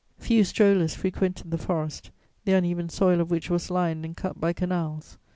Few strollers frequented the forest, the uneven soil of which was lined and cut by canals.